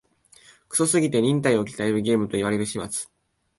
クソすぎて忍耐を鍛えるゲームと言われる始末